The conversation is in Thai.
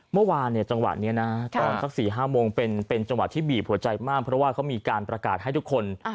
เมื่อวานจังหวะนี้นะตอนสัก๔๕โมงเป็นจังหวะที่บีบหัวใจมากเพราะว่าเขามีการประกาศให้ทุกคน